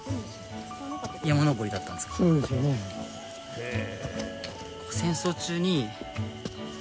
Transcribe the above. へえ。